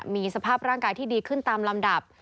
มีสภาพร่างกายที่ดีขึ้นตามลำดับ